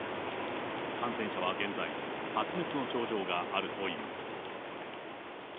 感染者は現在、発熱の症状があるという。